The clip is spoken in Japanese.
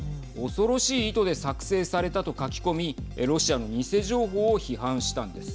恐ろしい意図で作成されたと書き込みロシアの偽情報を批判したんです。